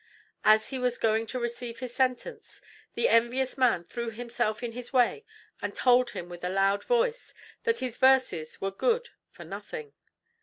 As he was going to receive his sentence, the envious man threw himself in his way and told him with a loud voice that his verses were good for nothing.